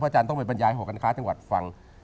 พ่ออาจารย์ต้องเป็นบรรยายของค่านค่าจังหวัดฟัง